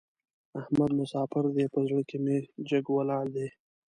احمد مساپر دی؛ په زړه کې مې جګ ولاړ دی.